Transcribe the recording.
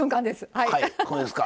はいそうですか。